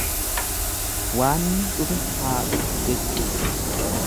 Waanni dhufe haa dhufu jechuudha.